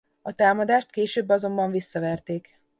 A támadást később azonban visszaverték.